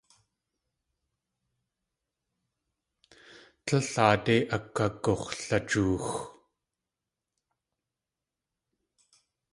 Tlél aadé akagux̲lajoox.